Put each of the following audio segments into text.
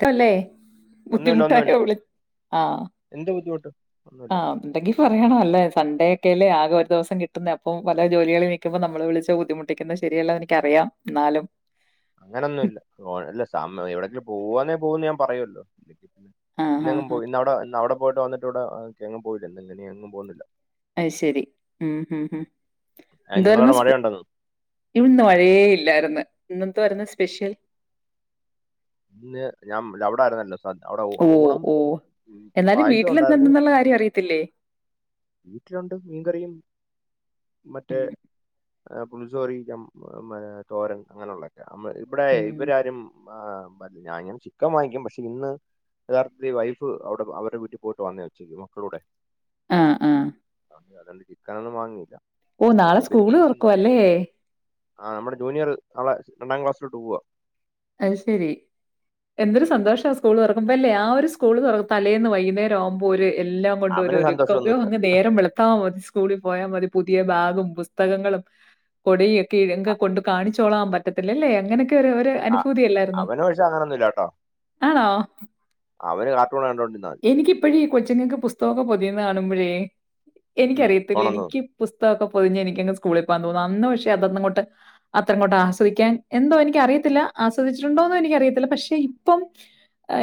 ക്കല്ലേ ഒന്നുമില്ല ഒന്നുമില്ല ബുദ്ധിമുട്ടായോ വിളി ആ എന്ത് ബുദ്ധിമുട്ട് ആ ഒന്നുമില്ല ഉണ്ടെങ്കിൽ പറയണല്ലേ സൺഡേ ക്കെല്ലേ ആകെ ഒരു ദവസം കിട്ടുന്നെ അപ്പം വല്ല ജോലികളിൽ നിക്കുമ്പ നമ്മള് വിളിച്ച് ബുദ്ധിമുട്ടിക്കുന്ന ശെ രിയല്ല എനിക്കറിയാം ന്നാലും അങ്ങനെന്നുല്ല സ്മാൾ അല്ല സമയ എവിടെങ്കിലും പോവാന്നെ പോവുംന്ന് ഞാൻ പറയുല്ലോ ആ ഹാ ഇന്നെങ്ങും ഹാ പോയി ഇന്ന അവിട ഇന്ന അവിട പോയിട്ട് വന്നിട്ട് ഇവിടെഏ എങ്ങും പോയിട്ടില്ല. ഇന്നലെ എന്നും പോവു ന്നില്ല. ഐശരി ഊം ഊം ഹും ഏ, എന്താരുന്നു നിങ്ങളവിടെ സ്പെ മഴയുണ്ടെന്ന് ഇവിന്ന് മഴേ ഇല്ലായിരുന്ന് ഇന്നെന്താരുന്നു സ്പെഷ്യൽ ഇന്ന് ഞാൻ അവിഡാരുന്നല്ലോ സു അവിടെ ഓ ഊണും ഓ എന്നാലും പായസം വീട്ടിൽ ഉണ്ടാര്ന്നു എന്തുണ്ടെന്നുള്ള കാര്യം അറിയത്തില്ലേ വീട്ടിലുണ്ട് മീൻകറിയും മറ്റേ ഉം, ആ [unintelligible] തോരൻ അങ്ങനെയുള്ളൊക്കയാ നമ്മ ബടേ ഉം. ഇവരാരും [unintelligible] [unintelligible] ഞാന് ചിക്കൻ വാങ്ങിക്കും പക്ഷേ ഇന്ന് യഥാർത്ഥത്തിൽ വൈഫ് അവിടെ അവരുടെ വീട്ടിൽ പോയിട്ട് വന്നയാ ഉച്ചയ്ക്ക് മക്കളൂടെ ആ ആ അതൊണ്ട് ചിക്കൻ ഒന്നും വാങ്ങിയില്ല ഓ നാളെ സ്ക്കൂള് തൊറക്കുവാ അല്ലേ ആ നമ്മുടെ ജൂനിയറ് നാളെ രണ്ടാം ക്ലാസ്സിലോട്ട് പോവാ അയ്ശ് ശരി എന്തൊരു സന്തോഷാ സ്കൂൾ തൊറ മുമ്പല്ലേ ആ ഒരു സ്കൂള് തുറ തലേന്ന് വൈകുന്നേരം ആവുമ്പൊര് എല്ലാം കൊണ്ടൊരു അവന് ഒരുക്കം യ്യോ സന്തോഷമൊന്നുമില്ല അങ്ങ് നേരം വെളുത്താൽ മതി സ്കൂളിൽ പോയാ മതി പുതിയ ബാഗും പുസ്തകങ്ങളും കൊടയൊക്കെ എങ്കേ കൊണ്ട് കാണി ചോളാം പറ്റത്തില്ലെല്ലെ അങ്ങനൊക്കെ ഓരോ ആ പൂതിയില്ലായിരുന്നോ അവന് പക്ഷെ അങ്ങനൊന്നുമില്ല കേട്ടോ ആണോ അവന് [unintelligible] [unintelligible] കൊച്ചുങ്ങക്ക് പുസ്തൊക്കെ പൊതിന്നെ കാണുമ്പൊഴേ ഉം, എനിക്കറിയത്തില്ല പോണെന്ന് എനിക്ക് തോന്നുന്നു പുസ് പുസ്തൊക്കെ പൊതിഞ്ഞ് എനിക്കങ്ങ് സ്കൂളിൽ പോവാൻ തോന്നുവാ അന്ന് പക്ഷെ അതന്നങ്ങോട്ട് അത്രങ്ങോട്ട് ആസ്വദിക്കാൻ എന്തോ എനിക്ക് അറിയത്തില്ല ആസ്വദിച്ചിട്ടുണ്ടോ ന്നോ എനിക്ക് അറിയത്തില്ല പക്ഷെ ഇപ്പം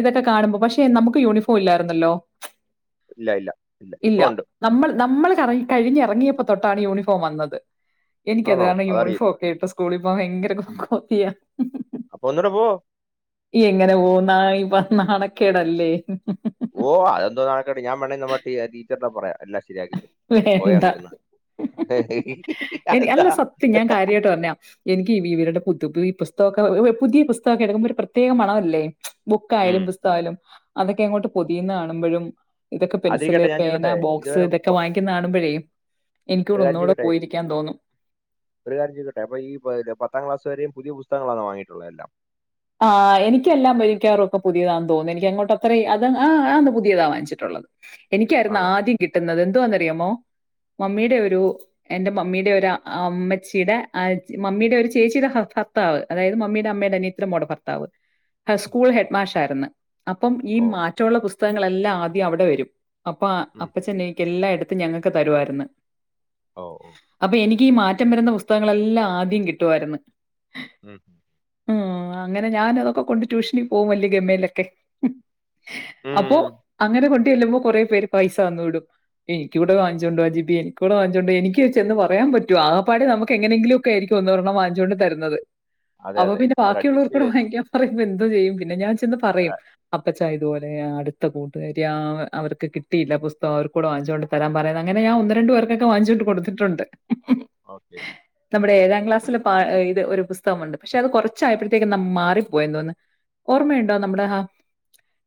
ഇതൊക്കെ കാണുമ്പോ പക്ഷേ നമുക്ക് യൂണിഫോം പോല്ലായിരുന്നല്ലോ ഇല്ല ഇല്ല ഇല്ല ഇപ്പൊ ഉണ്ട് നമ്മള് കറങ്ങി കഴിഞ്ഞെറങ്ങിയപ്പൊ തൊട്ടാണ് യൂണിഫോം വന്നത് എനിക്ക് അത് ആണോ കാരണം അതറിയില്ല യൂണിഫോം ഒക്കെ ഇട്ട് സ്കൂളിൽ ഭയങ്കര കൊതിയാ അപ്പൊ ഒന്നൂടെ പോ യെങ്ങനെ പോന്നാ ഇപ്പ നാണക്കേടല്ലേ ഓ അതെന്തോ നാണക്കേട് ഞാൻ [unintelligible] ടീച്ചറിനോട് പറയാ എല്ലാം ശരിയാക്കിട്ട് ഉണ്ട് പോയ വേണ്ട. ങ്ങ് ഇരുന്ന് എനി ഹിഹിഹിഅതെന്താ ഇവിവരുടെ പുത്പ്പ് ഈ പുസ്തക ഒക്കെ പുതിയ പുസ്തകയൊക്കെ എടുക്കുമ്പോ ഒരു പ്രത്യേക മണമല്ലേ ഉം. ബുക്കായാലും പുസ്തകായാലും അതൊക്കെ അങ്ങോട്ട് പൊതിയ്ന്നെ കാണുമ്പോഴും ഇതൊക്കെ അതിരിക്കട്ടെ പെൻസില് ഞാൻ പേന ചോദിക്കട്ടെ ബോക്സ് ഇതുവരെ ഇത് പ- ന്നാണുമ്പഴേ ഒരു കാര്യം ചോദിക്കട്ടെ ഒരു കാര്യം ചോദിക്കട്ടെ അപ്പൊ ഈ പത്താം ക്ലാസ് വരെയും പുതിയ പുസ് പുസ്തങ്ങളെ വാങ്ങിയിട്ടുള്ളത് എല്ലാം ആ എനിക്കെല്ലാം ഭയ്ക്കാർ ഒക്കെ പുതിയതാ തോന്ന് എനിക്ക് അങ്ങോട്ട് അത്രയും അത് ആ ആ പുതിയതാ വാങ്ങിച്ചിട്ടുള്ളത് എനിക്കായിരുന്നു ആണോ ആദ്യം കിട്ടുന്നത് എന്തുവാന്നറിയാമോ ഉം, മമ്മീടെ ഒരു എന്റെ മമ്മിയുടെ ഒരു അമ്മച്ചിടെ മമ്മിയുടെ ഒരു ചേച്ചിടെ ഭർത്താവ് അതായത് മമ്മിടെ അമ്മേടെ ഉം, അനിയത്തി [unintelligible] ഭർത്താവ് ഉം. സ്കൂൾ ഹെഡ്മാഷ് ആരുന്ന് അപ്പം ഈ ഓ മാറ്റമുള്ള പുസ് പുസ്തകങ്ങളെല്ലാം ആദ്യം അവിടെ വരും അപ്പൊ ഉം, അപ്പച്ചെനിക്ക് എല്ലായിട ഞങ്ങക്ക് തരുവാരുന്ന് ഓ ഈ മാറ്റം വരുന്ന പുസ്തകങ്ങളെല്ലാം ആദ്യം കിട്ടുവാരുന്ന് ഉം, അങ്ങനെ ഞാൻ അതൊക്കെ കൊണ്ട് ട്യൂഷനിൽ പോകും വലിയ ഗമയിലൊക്കെ അപ്പൊ ഉം. അങ്ങനെ കൊ ചെല്ലുമ്പോ കൊറേപേര് പൈസ തന്ന് വിടും എനിക്ക് ഇവിടെ ഉം. [unintelligible] [unintelligible] എനിക്ക് ചെന്ന് പറയാൻ പറ്റോ ആകപാടെ നമുക്ക് എങ്ങനെങ്കിലും ഒക്കെ ആയിരിക്കും ഒന്ന് ഒരെണ്ണം വാങ്ങിച്ചോണ്ട് തരുന്നത് അതെ അതെ അവര് അഡ്ജസ്റ്റ് ചെയ്ത് പ്പറും അയ്ന്റപ്പറും എന്ത് ചെയ്യും പിന്നെ ഞാൻ പിന്നെ പറയും അവര് അപ്പച്ചാ ഇതുപോലെയാ അ കൂട്ടുകരിയാ അവർക്ക് കിട്ടിയില്ല പുസ്തകം അവർക്കൂടെ വാങ്ങിച്ചോണ്ട് തരാൻ പറയുണെ അങ്ങനെ ഞാൻ ഒന്ന് രണ്ട് പേർക്കൊക്കെ വാങ്ങിച്ചോണ്ട് കൊടുത്തിട്ടുണ്ട് ഓക്കെ ക്ലാസില് പാ ഇത് ഒരു പുസ്തകമുണ്ട് പക്ഷെ അത് കുറച്ചായ ത്തേക്ക് മാറിപ്പോയെന്ന് തോന്ന്ന്ന് ഓർമ്മയുണ്ടോ നമ്മുടെ ആ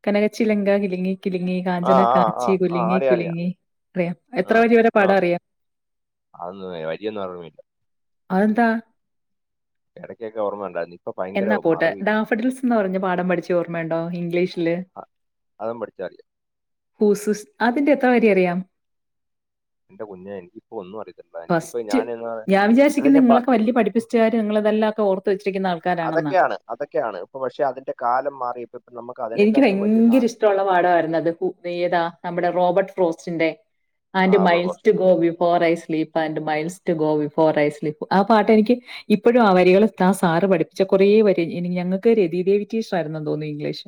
കനകച്ചിലങ്ക കിലിങ്ങി കിലുങ്ങി ആ, കാഞ്ചന ആ, ആ, കാച്ചി ആ. കുലുങ്ങി അറിയാം, അറിയാം. കുലുങ്ങി അറിയാം ആ, എത്ര വരി വരെ ആ. പാടാം അറിയാം അതൊന്നും വരിയൊന്നും ഓർമ്മയില്ല. അതെന്താ എടക്കൊക്കെ ഓർമ്മയുണ്ടാരുന്ന് എന്നാ പോട്ടെ നാഫഡ്‌ൽസ് ന്ന് പറഞ്ഞ പാഠം പഠിച്ചേ ഓർമ്മയുണ്ടോ ഇംഗ്ലീഷില് അ അതും പഠിച്ചാ അറിയാം. ഹൂസസ് അതിന്റെ എത്ര വരി അറിയാം എന്റെ കുഞ്ഞേ എനിക്കിപ്പോ ഒന്നും അറിയത്തില്ല. എനിക്കിപ്പോ ഫസ്റ്റ് ഞാനെന്ന് ഞാൻ അല്ല വിചാരിച്ചേക്കുന്നെ ഞാൻ പ നിങ്ങളൊക്കെ വലിയ പഠിപ്പിസ്റ്റ്കാര് നിങ്ങള് ഇതെല്ലാം ത ഓർത്ത് വെച്ചിരിക്കുന്ന ആൾക്കാരാണെന്നാ അതൊക്കെയാണ് അതൊക്കെയാണ് ഇപ്പൊ പക്ഷെ അതിന്റെ കാലം മാറി ഇപ്പൊ നമുക്ക് എനിക്ക് അതിനെക്കാട്ടും വലിയ ഭയങ്കര സാധനം ഇഷ്ടമുള്ള റോസിന്റെ ആ ആൻഡ് പ്രൊഫഷ miles to go before a sleep and miles go before sleep ആ പാട്ടെനിക്ക് ഇപ്പഴും ആ വരികൾ ത സാറ് പഠി ച്ച കൊറേ വരെ ഇനി ഞങ്ങക്ക് രതിദേവി ടീസ്ച്ചറായിരുന്നെന്ന് തോന്നു ഇംഗ്ലീഷി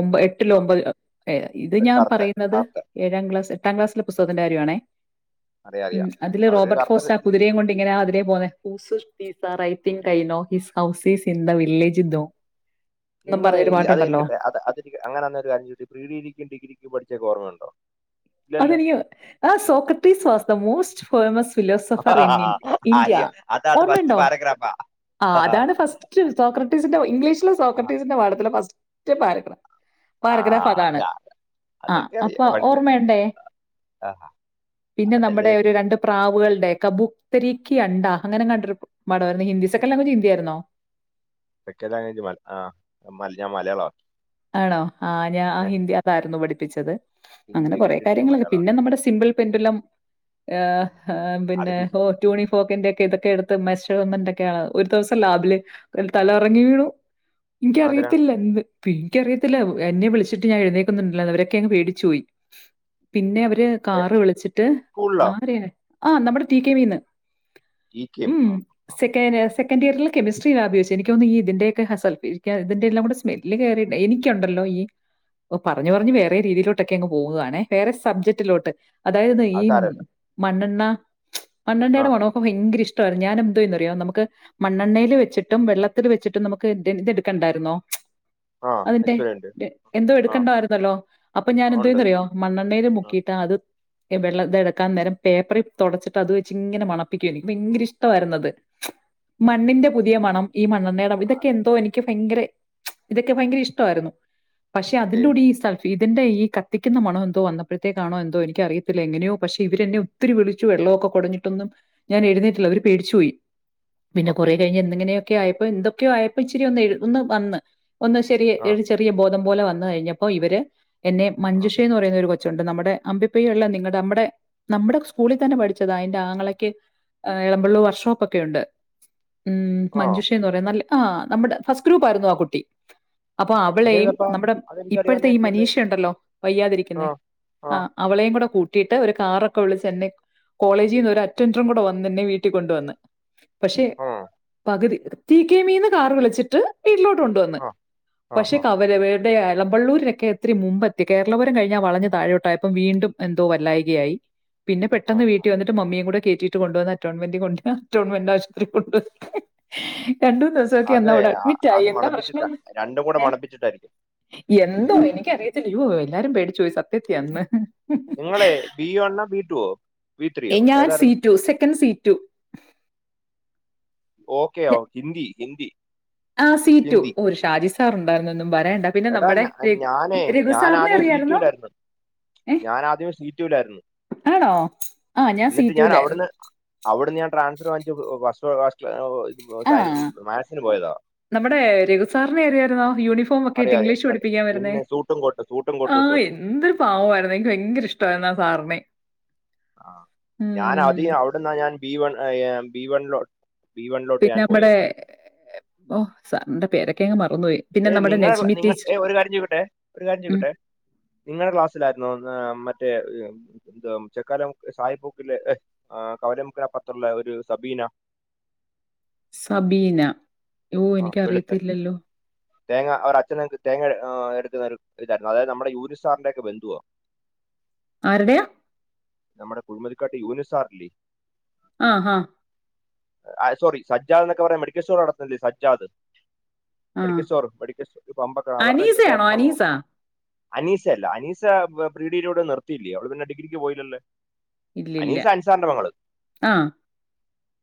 ഒമ്പ എട്ടിലോ ആ ഒമ്പതിലോ ഏ ഇത് ഒരു ഞാൻ കറുത്ത, പറയുന്നത് കറുത്ത. ഏഴാം ക്ലാസ് എട്ടാംക്ലാസിലെപുസ്തകത്തിന്റെ കാര്യാണേ അറിയാം, ഉം അറിയാം. അതില് അവരൊരു റോബർട്ട് കറുത്ത ഫോസ് ആ ലേഡി കുതിരേം കൊണ്ടിങ്ങനെ ടീച്ചറ്. അതിലേ പോന്നെ whose sir I think I know his houses in the വില്ലേജ്തോ നിങ്ങളെ ഇ അത് രിക്കട്ടെ അത് അതരി അങ്ങനെന്നൊരു കാര്യം ചോദി പ്രീഡിരിക്കും ഡിഗ്രിക്കും പഠിച്ചൊക്കേ ഓർമ്മണ്ടോ അതനിക്ക് ആ Socrates was the most famous philosopher in in India അയ്യോ അത് അത് ഫസ്റ്റ് ഓർമ്മയുണ്ടോ പാരഗ്രാഫാ ആ അതാണ് ഫസ്റ്റ് സോക്രട്ടീസിന്റെ ഇംഗ്ലീഷിലെ സോക്രട്ടീസിന്റെ പാഠത്തില ഫസ് സ്റ്റ് പാരഗ്രാ ആ അത് പാരഗ്രാഫതാണ് ആ അതൊക്കെ അപ്പ അറിയാം പക്ഷേ ഓർമ്മയു ണ്ടേ ആ, പിന്നെ അതല്ല നമ്മടെ ഞാൻ ഒരു ചോദിച്ചത്. രണ്ട് പ്രാവുകൾടെ ക ബുക്ത്തരിക്കി അണ്ട അങ്ങനെങ്ങാണ്ടൊരു പ് പാഠാരുന്നു, ഹിന്ദി സെക്കൻഡ് ലാംഗ്വേജ് ഹിന്ദി ആയിരുന്നോ? സെക്കൻഡ് ലാംഗ്വേജ് മ ആ മല് ഞാൻ മലയാളാ. ആണോ ആ ഞാൻ ആ ഹിന്ദി അതായിരുന്നു പഠി പ്പിച്ചത്. അങ്ങനെ ഹിന്ദി കൊറെ കിട്ടിയിട്ട് ഞാൻ കാര്യങ്ങളൊക്കെ പിന്നെ മലയാളമാക്കി നമ്മുടെ സിമ്പിൾ പെന്റല്ലം ഏഹ് ഉം. ഹേ അത് പിന്നെ ഫിസി- ഓറ്റോണിഫ് പോക്കിന്റെക്കെ ഇതൊക്കെ എടുത്ത് മെഷർമെന്റൊക്കെയാ ഒരു ദിവസം ലാബില് ക് തലകറങ്ങി വീണു. മാതിരാ എനിക്കറിയത്തില്ല എന്ത് പി എനിക്കറിയത്തില്ല വ് എന്നെ വിളിച്ചിട്ട് ഞാൻ എഴുന്നേക്കുന്നുല്ല അവരൊക്കെങ്ങ് പേടിച്ചു പോയി, പിന്നെ അവ ര് ഏ, കാറ് വിളിച്ചിട്ട് സ്കൂളിലോ ആരയാ ആ നമ്മുടെ ടി കെ വി ന്ന്. ഈ കെയും ഉം ആ ആ. സെക്കെന സെ കെന്റിയർല് കെമിസ്ട്രി ലാബി വെച്ച് എനിക്കോന്ന് ഈ ഇതിന്റെക്കെ ആ സൾഫ്യുരിക്ക ഇതിന്റെ എല്ലാം കൂടെ സ്മെൽ ല് കേറീട്ട് എനിക്കൊണ്ടല്ലോ ഈ പറഞ്ഞു പറഞ്ഞ് വേറെ രീതിയിലോട്ടൊക്കെ അങ്ങ് പോകുവാണേ വേറെ സബ്ജക്റ്റിലോട്ട്. അതായത് ഈ അത് മ് സാരമില്ല മണ്ണണ് ണാ ആ മണ്ണെണ്ണയുടെ മണക്കെ ഭയങ്കരഷ് [unintelligible] ഞാന് എന്തേന്ന്റിയോ നമ്മക്ക് ആ, മണ്ണെണ്ണയില് വെച്ചിട് ട്ടും വെള്ളത്തിൽ വെച്ചിട്ടും നമുക്ക് ത് ഇതെടുക്കണ്ടായിരുന്നോ? ആ അതിന്റെ എക്സ്പീരിയൻസ് ര് എന്തോ ആ എടുക്കണ്ടായിരുന്നല്ലോ അപ്പം ഞാൻ ഉണ്ട് എന്തോന്നറിയോ മണ്ണെണ്ണേൽ മുക്കിട്ട് അത് വെള്ളം ഇത എടുക്കാൻ നേരം പേപ്പറിൽ തൊടച്ചിട്ട് അത് വെച്ച് ഇങ്ങനെ മണപ്പിക്കും, [unintelligible] ഭയങ്കര ഇഷ്ടാരുന്നു അത്, മണ്ണിന്റെ പുതിയ മണം ഈ മണ്ണണ്ണേടേ ഇതൊക്കെ എന്തോ എനിക്ക് ഫ് ഭയങ്കര ഇതൊക്കെ ഭയങ്കര ഇഷ്ടാരുന്നു. പക്ഷേ ഓക്കെ അതിന്റെ കൂടെ ഈ സൾഫ് ഇതിന്റെ ഈ കത്തിക്കുന്ന മണോ എന്തോ വന്നപ്പോഴത്തേക്കാണോ എന്തോ എനിക്കറിയത്തില്ല എങ്ങനെയോ പക്ഷേ ഇവരെന്നെ ഒത്തിരി വിളിച്ചു വെള്ളൊക്കെ കുടഞ്ഞിട്ടൊന്നും ഞാൻ എഴുന്നേറ്റില്ല അവര് പേടിച്ചു പോയി. പിന്നെ ഓക്കെ കൊറെ കഴിഞ്ഞ് എന്തങ്ങനെയൊ ക്കെയായപ്പോ എന്തൊക്കെയോ ആയപ്പോ ഇച്ചരി ഒന്ന് എഴുതുന്നെ വന്ന്. എന്നാ ശരിയേ ആ ഒരു ചെറിയ [unintelligible] [unintelligible] പോലെ വന്നു കഴിഞ്ഞപ്പോ ഇവര് എന്നെ ആ മഞ്ജൂഷേന്ന് പറയുന്ന ഒരു കൊ കൊച്ചൊണ്ട്. നമ്മുടെ അമ്പിപൊയ്യെയുള്ള നിങ്ങടെ നമ്മടെ നമ്മുടെ സ്കൂളി തന്നെ പഠിച്ചതാ. അതിൻ്റെ ആങ്ങളക്ക് എളമ്പള്ളൂർ വർക്ക്ഷോപ്പ് ഒക്കെ ഒണ്ട്. ഉം ആ മഞ്ജുഷേന്ന് പറയും. നല്ല ആ നമ്മുടെ ഫസ്റ്റ് ഗ്രൂപ്പ് ആയിരുന്നു ആ കുട്ടി. അപ്പൊ അവളെയും, അതേതപ്പാ നമ്മുടെ ഇപ്പഴ്ത്തെ ഈ അതെനിക്കറിയാവുന്നതായിരിക്കുമല്ലേ മനീഷ ഒണ്ടല്ലോ വയ്യാതിരിക്കുന്ന, ആ ആ അവളെയയും കൂടെ കൂട്ട് കിട്ടീട്ട് ഒരു കാറൊക്കെ വിളിച്ച് എന്നേ കോളേജീന്ന് ഒരു അറ്റൻറും കൂടെ വന്ന് എന്നെ വീട്ടിൽ കൊണ്ടു വന്നു. പക്ഷേ ആ പകുതി റ്റി കെ മീന്ന് കാർ വിളിച്ചിട്ട് വീട്ടിലോട്ട് കൊണ്ടുവന്നു ആ ആ പക്ഷെ ആ കവര വേ [unintelligible] എള്ളമ്പള്ളൂരിന്നൊക്കെ ഇത്തിരി മുമ്പെത്തി, കേരളപുരം കഴിഞ്ഞാ വളഞ്ഞ് താഴെോട്ടായപ്പം വീണ്ടും എന്തോ വല്ലായികയായി പിന്നെ ആ പെട്ടെന്ന് വീട്ടി വന്നിട്ട് മമ്മിയേം കൂടെ കേറ്റിട്ട് കൊണ്ടൊന്ന് അറ്റോൺമെറ്റി അറ്റോൺമെന്റ് ആശുപത്രി കൊണ്ടു വന്ന് രണ്ടൂ മൂന്ന് ദിവസം ഒക്കൊ അത് അന്ന് അവിടെ ആ- അഡ്മിറ്റായി അത് എന്താ മണപ്പിച്ചിട്ടാ പ്രശ്നോന്ന് രണ്ടും കൂടെ ഏ മണപ്പിച്ചിട്ടായിരിക്കും എന്തോ എനിക്കറിയത്തില്ല യ്യോ എല്ലാരും പേടിച്ചു പോയി സത്യത്തി അന്ന്. നിങ്ങളെ ബി വണ്ണോ ബി ടൂവോ? ഏ ഞാൻ സീറ്റു സെക്കൻഡ് സീറ്റു. ഓക്കെ ഓ ഹിന്ദി. ഹിന്ദി ആ സീ റ്റു ഹിന്ദി ഓ ഷാജി സാർുണ്ടായിരുന്നൊന്നും പറയണ്ട പിന്നെ എടാ നമ്മടെ ഞാ- രഘു ഞാനേ രഘു ഞാൻ ആദ്യം സി സാറിനെറിയായിരുന്നോ ടുവിലായിരുന്നു എ ഞാൻ ആദ്യം സി ടുവിലായിരുന്നു ആണോ ആ ഞാൻ സീറ്റൂല് [unintelligible] ഒ സയൻ മാക്സിനു പോയത നമ്മടെ രഘുസാറിനെയറിയായിരുന്നോ യൂണിഫോംക്കെട്ട് അറിയാം അറിയാം ഇംഗ്ലീഷ് അറിയാം പഠിപ്പിക്കാൻ വരുന്നേ പിന്നെ സൂട്ടും കോട്ടും സൂട്ടും ആ കോട്ടും ഇട്ട് വരും എന്തൊരു പാവയിരുന്നു എനിക്ക് ഭയങ്കര ഇഷ്ടായിരുനു ആ സാറിനെ ആ ഞാൻ ഉം. ആദ്യം അവിടുന്ന ഞാൻ B one I A B one ലോട്ട് ബി വൺലോട്ട് പിന്നെ ഞാൻ നമ്മുടെ പോയത് ഓ സാറിന്റെ പേരൊക്കെ ങ് മറ ഏ നിങ്ങളെ നിങ്ങൾ ഏ ഒരുകാര്യം ചോയ്ക്കട്ടെ ഒരുകാര്യം ഉം. ചോയ്ക്കട്ടെ നിങ്ങളെ ക്ലാസ്സിലായിരുന്നോ മറ്റേ ഹ് എന്ത ചെക്കാല സായികൂപ്പിലെ ആ കവലമുക്കിലെ അപ്പർത്തുള്ള ഒരു സബീന സബീന ഓ ആ വെളുത്ത എനിക്കറിയത്തില്ലല്ലോ തേങ്ങ അവടച്ഛൻ തേങ്ങ എടുത്തരുന്ന ഒരുതായിരുന്നു അതായത് നമ്മുടെ യൂനുസാറിന്റൊക്കെ ബന്ധുവാ ആരുടെയാ നമ്മടെ കുഴിമതിക്കാട്ട് യൂനുസാറില്ലേ ആ ഹ ആ സോറി സജ്ജാന്നൊക്കെ പറയാ മെഡിക്കൽ സ്റ്റോർ നടത്തിൻല്ലേ സജ് ജാത് ആ മെഡിക്കൽ സ്റ്റോർ മെഡിക്കൽ സ്റ്റോർ പമ്പൊക്കെ അവരുടെ അനീസയാണോ ചേട്ടനമോ അനീസ അനീസയല്ല അനീസ പ്രീ ഡിഗ്രിയോട് നിർത്തിയില്ലേ അവള് പിന്നെ ഡിഗ്രിക്ക് പോയില്ലല്ലേ ഇല്ലില്ല അനീസ അൻസാറിന്റെ പെങ്ങള് ആ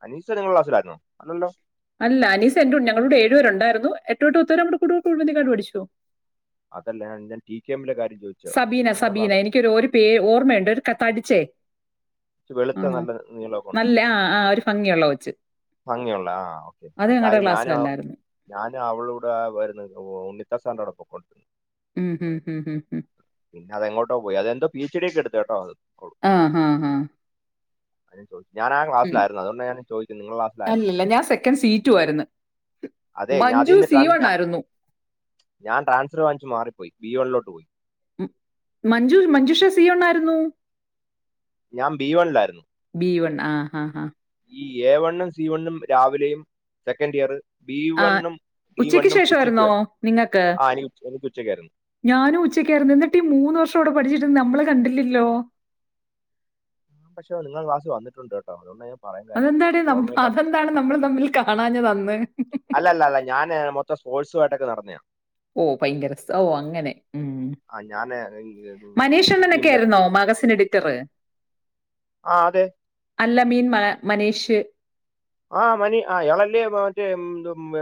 അനീസ നിങ്ങളെ ക്ലാസിലായിരുന്നൊ അല്ലല്ലോ അല്ല അനീസ എൻ്റെകു ഞങ്ങളു ടെ ഏഴ് വരെണ്ടായിരുന്നു എട്ട്തൊട്ട് പത്തുവരെ [unintelligible] പഠിച്ചു അതല്ലഞാൻ ടീക്കെഎംലെ കാരൃ സബീന സബീന എനിക്കൊരു ഒരു പേര് ഓർമ്മയുണ്ട് ഒരു തടി ചെ ച്ച് വെളുത്ത നല്ല നീളക്കൊണ്ട് ആ ആ ഒരു ഭംഗിയുള്ള കൊച്ച് ഭംഗിയുള്ള ആ ഓക്കെ അത് അ ഞങ്ങളുടെ കാര്യം ഞാനും ക്ലാസ്സിലല്ലായിരുന്നു ഞാനും അവളുടെ വരുന്ന ഓ ഉം, ഉം, ഉം, ഉം, ഉം. പിന്നെ അതെങ്ങോട്ടോപോയി അതെന്തോ പീസ് ടിക്കറ്റ് എടുത്തുട്ടോ അത് ആ ഹാ ഹാ അത് ഞാൻ ചോ ഞാഞാ ഉം. ക്ലാസിലായിരുന്നു അതൊണ്ട ഞാന് ചോയ്ക്ക്ന്നു നിങ്ങളെ ക്ലാസ്സിലായിരുന്നോന് അല്ലല്ല ഞാൻ സെക്കൻഡ് സി ടു ആയിരുന്നു അതെ ഞാ മഞ്ജു തീന് സി ട്രാൻസ് വൺ ഞാ ആയിരുന്നു ഞാൻ ട്രാൻസർ വാങ്ങിച്ച് മാറിപ്പോയി ബിയോലൊ പോയി മഞ്ജു മഞ്ജുഷ സീവണ്ണായിരുന്നു ഞാൻ ബി വൺലായിരുന്നു വൺ ആ ഹാ ഹാ ഈ എ വണ്ണും സി വണ്ണും രാവിലെയും സെക്കൻഡ് ഇയർ ബി ആ വണ്ണും ഡി ഉച്ചയ്ക്ക് വണ്ണും ഉച്ചയ്ക്ക് ശേഷമായിരുന്നോ വരുന്നു നിങ്ങൾക്ക് ആ എനിക്ക് ഉച്ച- എനിക്ക് ഉച്ചയ്ക്കായിരുന്നു ഞാനും ഉച്ചക്കായിരുന്നു എന്നിട്ട് ഈ മൂന്ന് വർഷം കൂടെ പഠിച്ചിട്ട നമ്മള കണ്ടില്ലല്ലോ ആ പക്ഷേ നിങ്ങളെ ക്ലാസ്സിൽ വന്നിട്ടുണ്ട് കേട്ടോ അതുകൊണ്ട് ഞാൻ പറയാൻ കാര്യം അതെന്താണ് ഓർമ്മയില്ല അതെന്താണ് നമ്മൾ തമ്മിൽ കാണാഞ്ഞതന്ന് ട്ടൊക്കെ നടന്നതാ ഓ ഭയങ്കര സൊ അങ്ങനെ ഉ ആ ഞാൻ മനീഷ് ഡിസ്ട്രിക്ട് അണ്ണനൊക്കെ ടീമിലൊക്കെ ആയിരുന്നോ മാഗസിൻ എഡിറ്ററ് ആ അതെ അല്ലമീൻ മ മനീഷ് ആഹ് മനി ആ എളല്ലേ മറ്റേ M M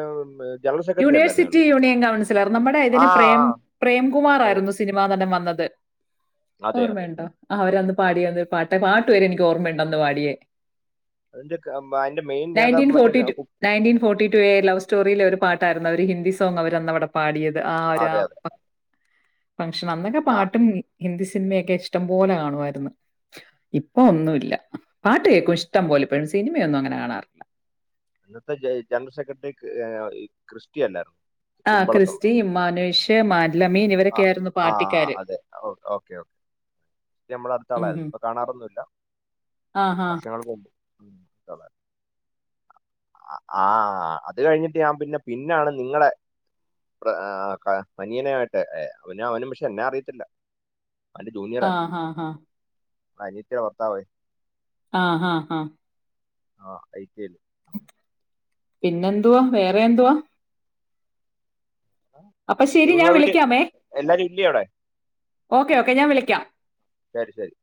university union councillor നമ്മുടെ ആ ഇതിന് പ്രേം ആ പ്രേംകുമാർ അതെ ആയിരുന്നു സിനിമാ നടൻ വന്നത് ത് അതെ അതെ ഓർമ്മയുണ്ടോ അവരന്ന് ആ പാടിയന്തോ പാട്ട് റ്റേ പാട്ട് വരെ എനിക്ക് ഓർമ്മയുണ്ടന്ന് പാടിയേ അതിന്റെ ക- മ- അതിന്റെ മെയിൻ നേതാവ് നയറ്റീൻ മറ്റേ ഫോർട്ടി ക- ട്ടു കു- നയറ്റിൻ ഫോർട്ടി ടു ലവ് സ്റ്റോറിൽ ഒരു പാ [unintelligible] ഒരു ഹിന്ദി സോങ് അവര് അന്ന് അവിടെ പാടിയത് ആ അതെ അതെ രാപ്പ ഫങ്ഷൻ അന്നക്കെ ഞാൻ പാട്ടും ഹിന്ദി സിനിമയൊക്കെ ഇഷ്ടം പോലെ കാണുമായിരുന്നു ഇപ്പൊ ഒന്നുമില്ല പാട്ട് കേൾക്കും ഇഷ്ടം പോലെ ഇപ്പോഴും സിനിമയൊന്നും അങ്ങനെ കാണാറില്ല അന്നത്തെ ജ ജനറൽ സെക്രട്ടറി ക്രിസ്റ്റി അല്ലായിരുന്നോ ആ കുമ്പളത്തുള്ള ക്രിസ്റ്റി മാനുഷ് മാലമീൻ ആ ഇവരൊക്കെ ആയിരുന്നു ആ പാർട്ടിക്കാര് അതെ ഓക്കെ ഓക്കെ ക്രിസ്റ്റി നമ്മള ഉം അടുത്താളായിരുന്നു ഹും ഇപ്പൊ കാണാറൊന്നുമില്ല ആഹ് വർഷങ്ങൾക്ക് മുമ്പ [inaudible] ആ അത് കഴിഞ്ഞിട്ട് ഞാൻ പിന്നെ പിന്നാണ് നിങ്ങളെ മനിയനൊയിട്ട് അവന അവനും പക്ഷെ എന്നെ അറിയത്തില്ല ആ ആ ആ [unintelligible] ഓർത്താമതി ആ ആ ആ ആ ഐ ടി ഐ ല് പിന്നെന്തുവാ വേറെ എന്തുവാ അപ്പൊ ശെരി ഞാൻ വിളിക്കാമേ ഇല്ലിയോ അവിടെ ഓക്കേ ഓക്കെ ഞാൻ വിളിക്കാം ശരി ശരി